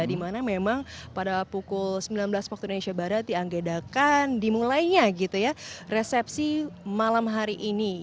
dimana memang pada pukul sembilan belas waktu indonesia barat dianggedakan dimulainya gitu ya resepsi malam hari ini